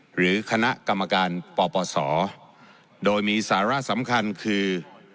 หรือคณะกรรมการปปศโดยมีสาระสำคัญคือ